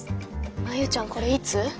真夕ちゃんこれいつ？